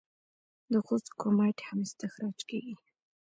د خوست کرومایټ هم استخراج کیږي.